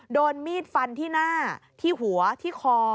โดนมีดฟันที่หน้าที่หัวที่คอ